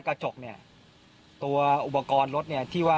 กระจกเนี่ยตัวอุปกรณ์รถเนี่ย